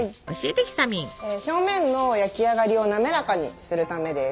表面の焼き上がりを滑らかにするためです。